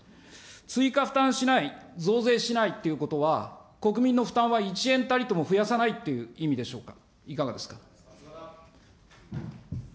追加負担しない、増税しないっていうことは、国民の負担は１円たりとも増やさないっていう意味でしょうか。